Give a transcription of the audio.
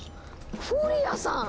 フォリアさん！